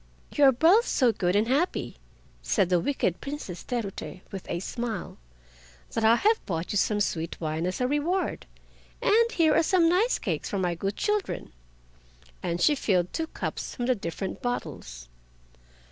"You are both so good and happy." said the wicked Princess Terute with a smile, "that I have brought you some sweet wine as a reward—and here are some nice cakes for my good children." And she filled two cups from the different bottles.